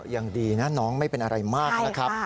ยังดีนะน้องไม่เป็นอะไรมากนะครับ